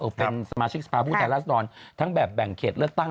เป็นสมาชิกสภาพผู้แทนราษฎรทั้งแบบแบ่งเขตเลือกตั้ง